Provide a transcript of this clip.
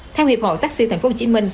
theo hiệp hội taxi tp hcm